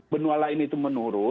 benua lain itu menurun